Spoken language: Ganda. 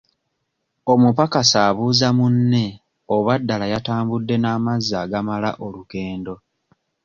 Omupakasi abuuza munne oba ddala yatambudde n'amazzi agamala olugendo.